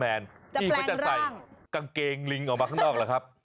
ที่เขาจะใส่กางเกงลิงออกมาข้างนอกหรือครับ